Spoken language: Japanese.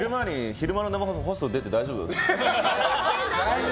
昼間の生放送にホスト出て大丈夫ですか？